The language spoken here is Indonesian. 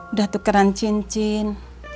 udah tukeran cincin